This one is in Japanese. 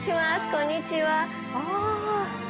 こんにちは。ああ。